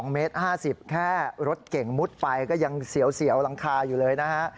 ๒เมตร๕๐แค่รถเก่งมุดไปก็ยังเสียวหลังคาอยู่เลยนะฮะ